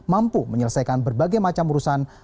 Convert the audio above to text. mampu menyelesaikan berbagai macam urusan